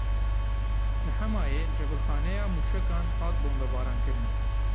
Li Hemayê cebilxaneya mûşekan hat bombebarankirin.